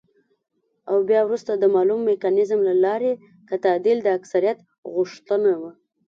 او بيا وروسته د مالوم ميکانيزم له لارې که تعديل د اکثريت غوښتنه وه،